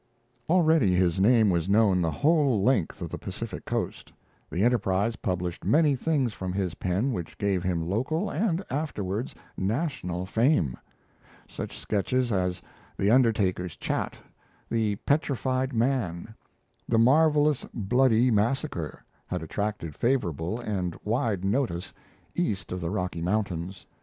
Already his name was known the whole length of the Pacific Coast; the Enterprise published many things from his pen which gave him local, and afterwards national, fame; such sketches as 'The Undertaker's Chat', 'The Petrified Man' and 'The Marvellous Bloody Massacre' had attracted favourable and wide notice east of the Rocky Mountains.